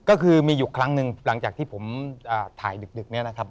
ก็คือมีอยู่ครั้งหนึ่งหลังจากที่ผมถ่ายดึกเนี่ยนะครับ